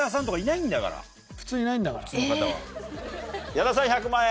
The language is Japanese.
矢田さん１００万円？